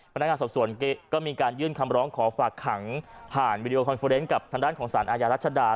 พนักงานสอบสวนก็มีการยื่นคำร้องขอฝากขังผ่านวิดีโอคอนเฟอร์เนนต์กับทางด้านของสารอาญารัชดา